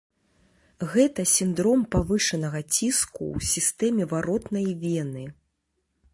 Гэта сіндром павышанага ціску ў сістэме варотнай вены.